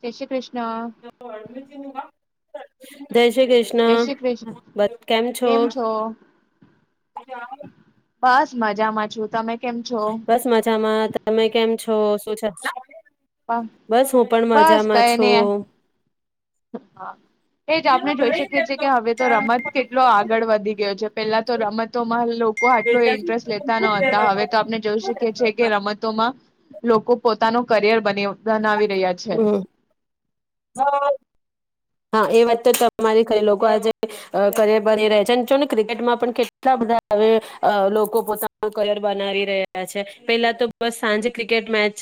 જય શ્રી કૃષ્ણ. [inaudible] જય શ્રી જય કૃષ્ણ. શ્રી કૃષ્ણ બસ. કેમ છો? બસ મજામાં છું. તમે કેમ છો બસ મજામાં. તમે કેમ છો? [unintelligible] બસ હું પણ મજામાં છું. હા, એજ આપણે જોઈ શકીએ છીએ કે હવે તો રમત કેટલો આગળ વધી ગયો છે પેલા તો રમતોમાં લો આટલો ઇન્ટરેસ્ટ લેતા ન હતા હવે તો આપને જોઈ શકીએ છીએ કે રમતોમાં. લોકો પોતાનો કરિયર બ બનાવી. રહ્યા છે હમ્મ હા. હા એ વાત તો તમારી ખ લોકો આજે કરિયર બની રહે્યા છે ને ક્રિકેટમાં પણ કેટલા બધા હવે લોકો પોતાનું કરિયર બનાવી રહ્યા છે, પેલા તો બસ સાંજે ક્રિકેટ મેચ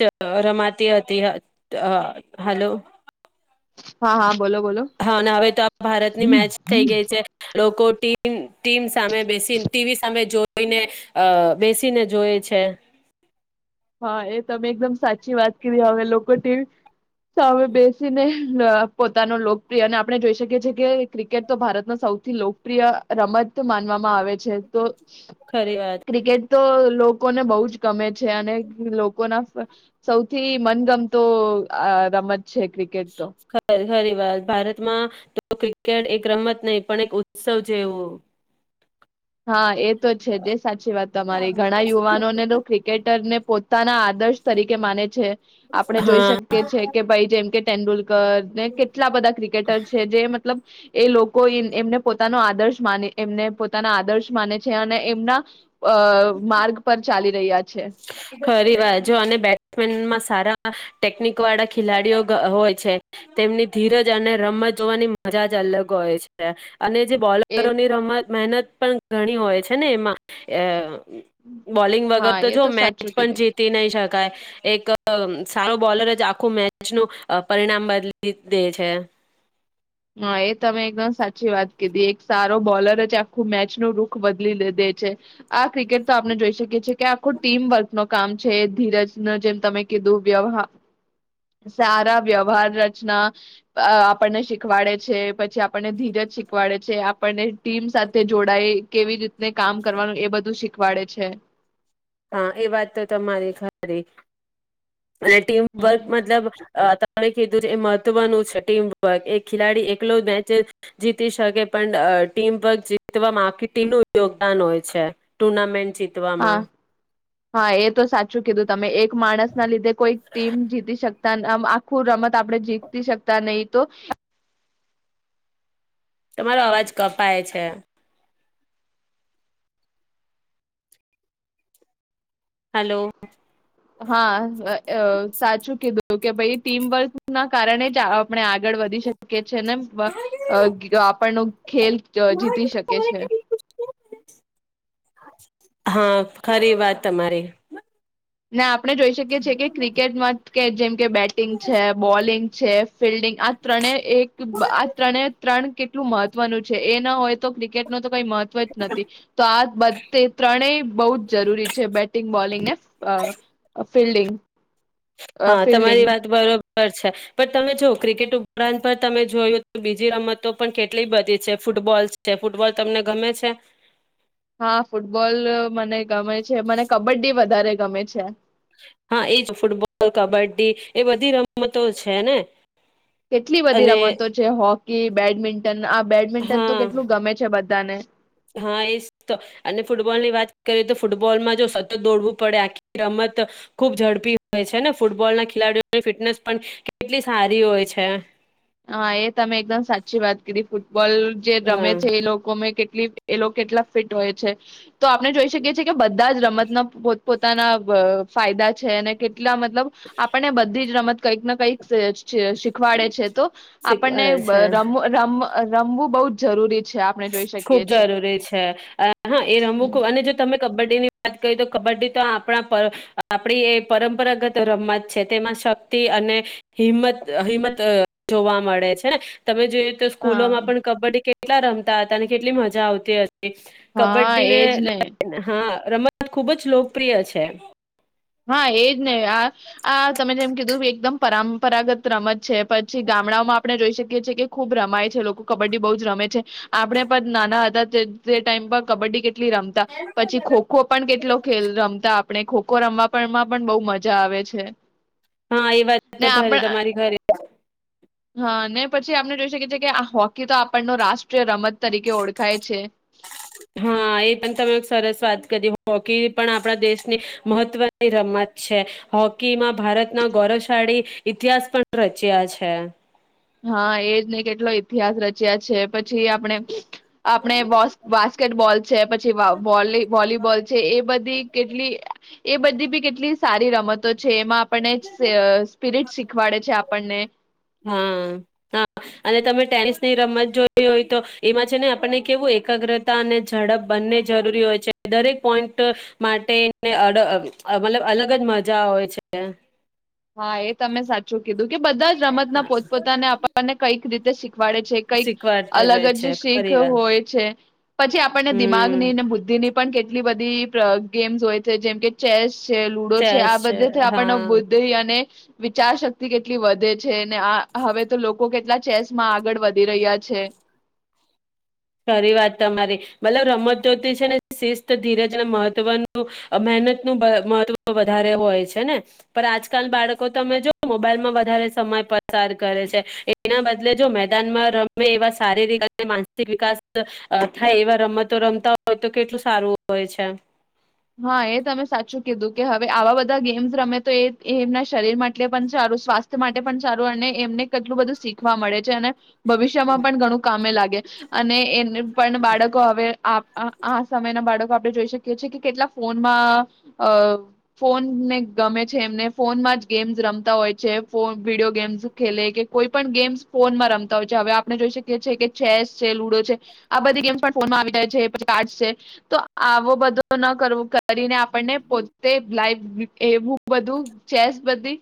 રમાતી હતી હ હ હલો હા હા. બોલો બોલો હા હવે તો આ ભારતની મેચ થઈ ગઈ છે. લોકો ટીમ ટીમ સામે બેસી ટીવી સામે જોઈને અ બેસીને જોય છે. હા એ તમે એકદમ સાચી વાત કરી હવે લોકો ટીવી સામે બેસીને- પોતાનો લોકપ્રિય અને આપણે જોઈ શકીએ છીએ કે ક્રિકેટ તો ભારતનો સૌથી લોકપ્રિય રમત માનવામાં આવે છે તો. ખરી વાત ક્રિકેટ તો લોકોને બહુ ગમે છે અને લોકો ના સૌથી મનગમતો રમત છે ક્રિકેટ તો. રી વાર ભારતમાં, તો ક્રિકેટ એક રમત નહી પણ એક ઉત્સવ જેવું. હા એ તો છે જે સાચી વાત તમારી ઘણા યુવાનો ને તો ક્રિકેટર ને પોતાના આદર્શ તરીકે માને છે. આપણે જોઈ હા શકીએ છી કે ભાઈ જેમ કે તેંડુલકર. ને કેટલા બધા ક્રિકેટર છે જે લ એ લોકો એમને પોતાનો આદર્શ માને એમને પોતા ના આદર્શ માને છે અને એમના, માર્ગ પર ચાલી રહ્યા છે. ખરી વાર જો અને બેટ્સમેનમાં સારા ટેકનિક વાળા ખેલાડીઓ હોય છે તેમની ધીરજ અને રમત જોવાની મજા જ અલગ હોય છે. અને જે એ બોલરોની રમત મહેનત પણ ઘણી હોય છે ને એમાં, અ બોલિંગ હા વગર એ તો મેચ સાચું પણ કીધું જીતી નહી શકાય, એક સારો બોલર જ આખું મેચ નું પરિણામ બદલી દે છે. હા એ તમે એકદમ સાચી વાત કીધી એક સારો બોલર જ આખું મેચ નું રૂખ બદલી દે છે, આ ક્રિકેટ તો આપણે જોઈ શકીએ છીએ કે આ ટીમ વર્ક નું કામ છે ધીરજ ન જેમ તમે કીધું વ્યવહ સારા વ્યવહાર રચના, આપણને શીખવાડે છે પછી આપણને ધીરજ શીખવાડે છે આપણને ટીમ સાથે જોડાય કેવી રીતે ને કામ કરવાનું એ બધું શીખ વાડે છે. હા એ વાત તો તમારી ખરી. અને ટીમ હમ. વર્ક મતલબ કીધું એ મહત્વનું છે ટીમવર્ક, એ ખેલાડી એકલો જ મેચ જીતી શકે પણ ટીમવર્ક જીતવામાં આખી ટીનું યોગદાન હોય છે, ટુર્નામેન્ટ હા ચિતવામાં. હા એ તો સાચું કીધું તમે એક માણસ ના લીધે કોઈ ટીમ જીતી શકતામ આખું રમત આપણે જીતી શકતા નહી, તો તમારો અવાજ કપાય છે. હલો. હા. અ સાચું કીધું. તો કે ભાઈ ટીમ વર્ક ના કારણે જ આપણે આગળ વધી શકે છે નેમ અ આપણ ન ખેલ જ હા ખરી વાત તમારી. ના. આપણે જોઈ શકીએ છીએ કે ક્રિકેટમાં કે જેમ કે બેટિંગ છે, બોલિંગ છે, ફિલ્ડિંગ આ ત્રણે એક આ ત્રણે ત્રણ કેટલું મહત્વનું છે એ ના હોય તો ક્રિકેટ ન તો કઈ મહત્વ જ નથી તો આ બધે ત્રણેય બહુ જ જરૂરી છે બેટિંગ બોલિંગ ને હા ફિલ્ડિંગ. અ હા ફિલ્ડિંગ તમારી વાત બરો બર છે પણ તમે જો ક્રિકેટ ઉપરાંત પર તમે જોયું તો બીજી રમતો પણ કેટલી બધી છે ફૂટબોલ છે, ફૂટબોલ તમને ગમે છે? હા ફૂટબોલ મને ગમે છે, મને કબડ્ડી વધારે ગમે છે. હા એજ ફૂટબોલ કબડ્ડી એ બધી રમતો છે ને કેટલી બધી અને રમતો છે હોકી, બેડમિન્ટન આ બેડમિન્ટન તો હા કેટલું ગમે છે બધ તને હા એ તો, અને ફૂટબોલ ની વાત કરીએ તો ફૂટબોલમાં જો સતત દોડવું પડે આખી રમત, ખુબ ઝડપી હોય છે ને ફૂટબોલ ના ખેલાડીઓની ફિટનેસ પણ, કેટલી સારી હોય છે. હા એ તમે એકદમ સાચી વાત કીધી. બલ જે રમે હા છે એ લોકોં મે કે એ લોકો કેટલા ફિટ હોય છે, તો આપણે જોઈ શકીએ છે કે બધા જ રમતના પો પોતાના ફાયદા છે અને કે એટલા મતલબ, આપણને બધી જ રમત કંઈક ને કઈક શીખવાડે છે તો આપણને શીખવાડે છે રમો રમ રમવું બહુ જ જરૂરી છે. આપણે જોઈ ખુબ શકીએ છે જરૂરી છે, હા એ રમવું ખ અને જો તમે કબડ્ડી ની વાત કરી તો કબડ્ડી તો આપણા, પર આપણી એ પરંપરગત રમત છે તેમાં શક્તિ અને, હિંમત-હિંમત જોવા મળે છે, તમે જોયુ તો સ્કૂલોમાં હા. પણ કબડ્ડી કે કેટલા રમે. હતાને કેટલી મજા આવતી હતી. હા કબડ્ડી એજ ને હા. રમતત ખુબ જ લોકપ્રિય છે. હા એજ ને આ, આ તમે જેમ કીધું એકદમ પરંપરાગત રમત છે. પછી ગામડાઓમાં આપણે જોઈ શકીએ છીએ કે ખુબ રમાય છે લોકો ક કબડ્ડી બૌજ રમે છે, આપણે પણ નાના હતા તે ટાઈમ પર કબડ્ડી કે રમતા પછી ખો-ખો પણ કેટલો ખેલ રમતા. આપણે ખોખો રમવા. પણમાં પણ બહુ મજા આવે છે. હા એ વાત ને તો થારે આપણ તમારી ખરી. હા ને પછી આપણે જોઈ શકીએ છીએ કે આ હોકી તો આ આપ નો રાષ્ટ્રીય રમત તરીકે ઓળખાય છે. હા એ પણ તમે સરસ વાત કરી હૌકી પણ આપણા દેશની મહત્વની રમત છે. હોકીમાં ભારતના ગૌરવશાળી ઇતિહાસ પણ રચ્યા છે. હા એજને કેટલો ઇતિહાસ રચ્યા છે પછી આપણે-આપણે બાસ્ક બાસ્કેટબોલ. છે પછી વોલીબોલ છે એ બધી કેટલી એ બધી બી કેટલી સારી રમતો છે એમાં આપણને સ સ્પિરિટ શીખવાડે છે આપણને. હા હા અને તમે ટેનિસની રમત જોઈ હોય તો એમાં છે ને આપણને કેવું એકાગ્રતા અને ઝડપ બંન્ને જરૂરી હોય છે, દરેક પોઈન્ટ માટે અ મતલબ અલગ જ મજા હોય છે. હા એ તમે સાચું કીધું કે બધા જ રમતના પોતપોતાને આપણને કઈક રીતે શીખ વાડે છે કઈક, શીખવાડતા અલગ હોય છે જ શીખ ખરી વાર હોય છે, પછી આપણને હમ દિમાગની ને બુદ્ધિની પણ કેટલી બધી પ ગેમ્સ હોય છે જેમ કે ચેસ છે લુડો છે ચેસ આ બધેથે આપણને હા અને, વિચાર શક્તિ કેટલી વધે છે ને આ હવે તો લોકો કેટલા ચેસમાં આગળ વધી રહ્યા છે. ખરી વાત તમારી, મતલબ રમતોથી છે ને સિસ્ત ધીરજ અને મહત્વનું મહેનત નું વ મહત્વ વધારે હોય છે ને, પણ આજકાલ બાળકો તમે જો મોબાઈલમાં વધારે સમય પસાર કરે છે, એના બદલે જો મેદાનમાં રમે એવા સારીરિક અને માનસ - વિકાસ થાય એવા રમતો રમતા હોય તો કેટલું સારું હોય છે. હા એ તમે સાચું કીધુ કે હવે આવા બધા ગેમ્સ રમે, તો એ એ એમના શરીર માટે પણ સારું, સ્વાસ્થ્ય માટે પણ સારું અને એમને કેટલું બધું શીખવા મળે છે, અને ભવિષ્યમાં પણ ઘણું કામે લાગે. અને એનુ પણ બાળકો હવે આપ આ સમયના બાળકો આપણે જોઈ શકીએ છીએ કેટલાક ફોનમાં, અ, ફોનને ગમે છે એમને ફોનમાં જ ગેમ્સ રમતા હોય છે, ફોન વિડીયો ગેમ્સ ખેલે કે કોઈ પણ ગેમ્સ ફોનમાં રમતા હોય છે. હવે આપણે જોઈ શકીએ છે કે, ચેસ છે લુડો છે આ બધી ગેમ્સ પણ ફોનમાં આવી જાય છે, પછી કાર્ડસ છે તો આવો બધો ન કરવો કરીને આપણને પોતે લાઈવ એવું બધું, ચેસ બધી,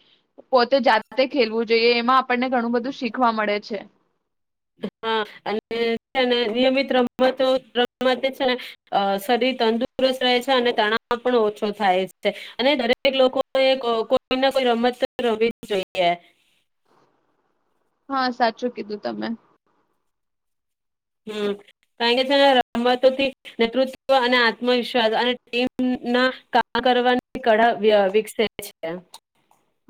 પોતે જાતે ખેલવું જોઈએ એમાં આપણને ઘણું બધું શીખવા મળે છે. હા અને છેને નિયમિત રમતો રમવાથી છે ને, અ શરીર તંદુરસ્ત રહે છે અને તણાવ પણ ઓછો થાય એમ છે, અને દરેક લોકો એ ક કોઈને કોઈ રમતો રમવી જ જોઈએ. હા સાચું કીધું તમે. હમ કાણ કે છે ને રમતોથી નેતૃત્વ અને આત્મવિશ્વાસ અને ટીમના કામ કરવાની કઢા વ્ય વિકસે છે.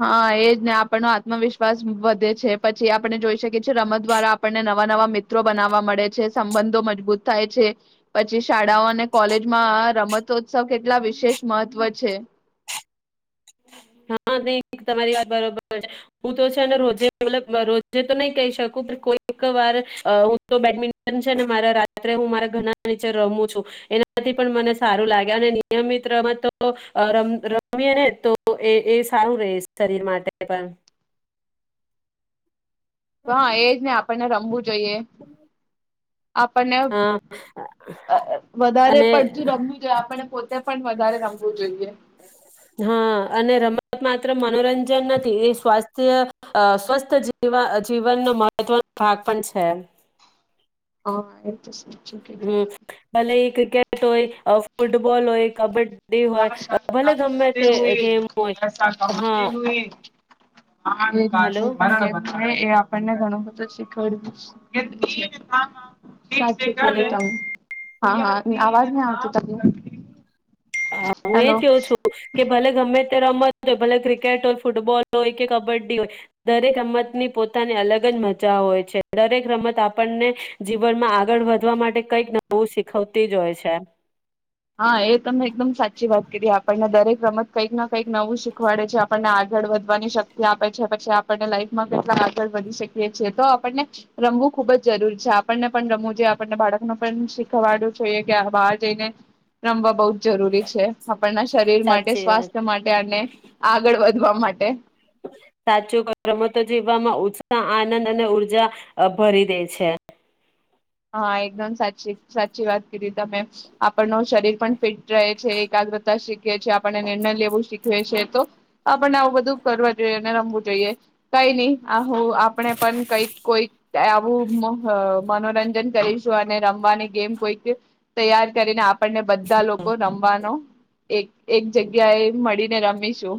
હા એજ ને આપ નો આત્મવિશ્વાસ વધે છે પછી આપ આપણે જોઈ શકીએ છીએ રમત દ્વારા આપણને નવા નવા મિત્રો બનાવવા મળે છે, સંબંધો મજબૂત થાય છે પછી શાળાઓ અને કોલેજમાં રમત ઉત્સવ કેટલા વિશેષ મહત્વ છે. હા, નહી તમારી વાત બરોબર હું તો છેને રોજ્જે મલબ રોજ્જે તો નહી કહી શકું પણ કોઈક વાર હું તો બેડમિન્ટન છે ને મારે રાત્રે હું મારા ઘરના નીચે રમું છું, એનાથી પણ મને સારું લાગે અને નિયમિત રમતો તો રમ અ રમીએ ને તો તો એ એ સારું ર સરીર માટે પણ. હા, એજ ને આપણને રમવુ જોઈએ, આપણને હા અ વધારે અને પડતું રમવું જોઈએ આપણને પણ વધારે રમવું જોઈએ. હા અને રમત માત્ર મનોરંજ જન નથી એ સ્વાસ્થ્ય અ સ્વસ્થ જીવા અ જીવનનો મહત્વનો ભાગ પણ છે. અ [unintelligible] હમ્મ ભલે ક્રિ ક્રિકેટ હોય, ફૂટબોલ હોય, કબડ્ડી ડે હોય, ભલે ગમે તે ગેમ હોય હા. એ હલો કોઈ પણ ગેમ હોય એ આપણને ઘણું બધું હલો શીખવાડ્યું, [unintelligible] [unintelligible] હા હા અવાજ નાઈ આવતુ તારુ હા હું એ કેવ છું કે ભલે ગમે રમત ભલે ક્રિકેટ હોય ફૂટબોલ હોય કે કબડ્ડી હોય દરેક રમતની પોતાની અલગ જ મજા હોય છે દરેક રમત આપણને જીવનમાં આગળ વધવા માટે કઈક નવું શીખવતી જ હોય છે. હા એ તમે એકદમ સાચી વાત કરી આપ આપણને દરેક રમત કંઈક ના કંઈક નવું શીખવાડે છે આપણને આગળ વધવાની શક્તિ આપે છે પછી આપણને જીવનમાં કેટલા આગળ વધી શકીએ છી તો આપણને રમવું ખુબ જ જરૂરી છે આપણને પણ રમવું જોઈએ આપણને બાળકને પણ શીખવાડવું જોઈએ કે બહાર જઈને રમવા બહુ જરૂરી છે આપણના શરીર માટે સાચી વાત સ્વાસ્થ્ય માટે અને આગળ વધ રમવા માટે સાચું રમતો જીવવામાં ઉત્સાહ આનંદ અને ઉર્જા ભરી દે છે હા એકદમ સાચી-સાચી વાત કિદી તમે આપણનો શરીર પણ ફિટ રહે છે એકતાગ્રતા શીખીએ છીએ આપણણે નિર્ણય લેવું શીખવેએ છે તો આપણને આવું બધું કરવા જોઈએ અને રમવું જોઈએ કઈ નઈ આપણે પણ કઈક કોઈ આવું મનોરંજન કરીશું અને રમવાની ગેમ કોઈક તૈયાર કરીને આપ આપણને બધા લોકો રમવાનો એક એક જગ્યા એ મળીને રમીશું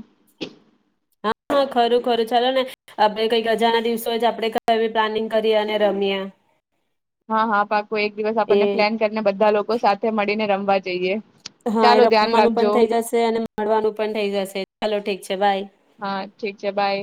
હા હા ખરું ખરું ચાલો ને આપડે કઈક અજાણે દિવસો જ આપણેે એ પ્લાનિંગ કરીએ અને રમીએ હા હા પાકુ એક દિવસ એ આપણને પ્લેન કરીને બધા લોકો સાથે મળીને રમ વા જઈએ. હા એ ચાલો ધ્યાન રમવાનું રાખજો પણ થઇ જશે અને મળવાનું પણ થઇ જશે ચાલો ઠીક છે બાય. હા ઠીક છે બાય